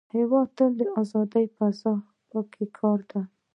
هېواد ته ازاد قضا پکار دی